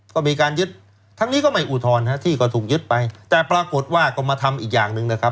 ก็มีการยึดทั้งนี้ก็ไม่อุทธรณ์ที่ก็ถูกยึดไปแต่ปรากฏว่าก็มาทำอีกอย่างหนึ่งนะครับ